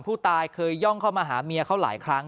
ผู้ตายเคยย่องเข้ามาหาเมียเขาหลายครั้ง